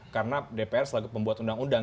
karena dpr selalu membuat undang undang